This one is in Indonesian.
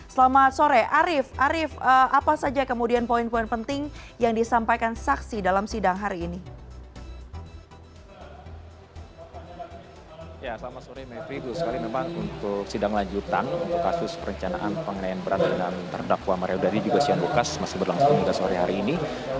selamat sore arief arief apa saja kemudian poin poin penting yang disampaikan saksi dalam sidang hari ini